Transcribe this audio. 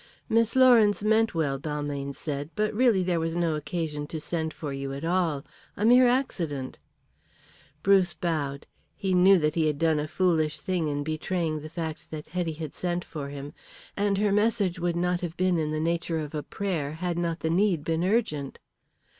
"Miss Lawrence meant well," Balmayne said, "but really there was no occasion to send for you at all. A mere accident." Bruce bowed. He knew that he had done a foolish thing in betraying the fact that Hetty had sent for him. And her message would not have been in the nature of a prayer had not the need been urgent.